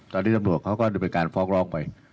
ตอนนี้ตำรวจเขาก็เป็นการฟอกรองไป